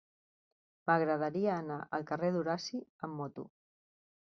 M'agradaria anar al carrer d'Horaci amb moto.